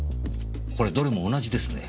これどれも同じですね。